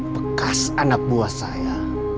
bekas anak buah saya